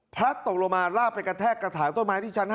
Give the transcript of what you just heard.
ตกลงมาลากไปกระแทกกระถางต้นไม้ที่ชั้น๕